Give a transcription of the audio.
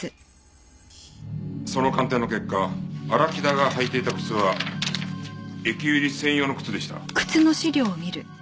その鑑定の結果荒木田が履いていた靴は駅売り専用の靴でした。